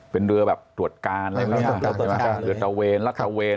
เป็นเรือแบบตรวจการอะไรอย่างนี้ฮะตรวจการเรือทะเวนรัฐทะเวน